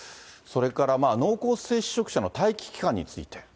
それから濃厚接触者の待機期間について。